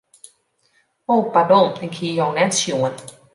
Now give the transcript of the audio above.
O pardon, ik hie jo net sjoen.